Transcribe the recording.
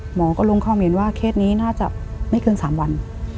หมอก็ลงความเห็นว่าเคสนี้น่าจะไม่เกิน๓วัน